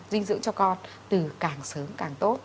dinh dưỡng cho con từ càng sớm càng tốt